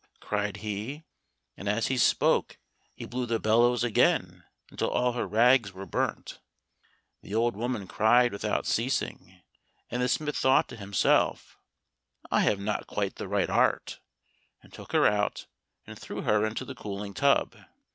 cried he, and as he spoke he blew the bellows again until all her rags were burnt. The old woman cried without ceasing, and the smith thought to himself, "I have not quite the right art," and took her out and threw her into the cooling tub.